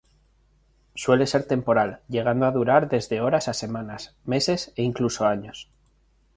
Suele ser temporal, llegando a durar desde horas a semanas, meses e incluso años.